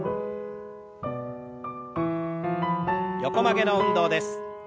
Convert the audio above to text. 横曲げの運動です。